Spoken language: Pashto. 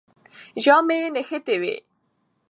ژامنې یې نښتې وې.